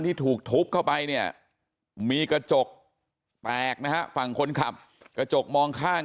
ที่ถูกทุบเข้าไปเนี่ยมีกระจกแตกนะฮะฝั่งคนขับกระจกมองข้าง